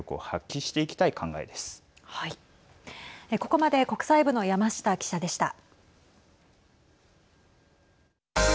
ここまで国際部の山下記者でした。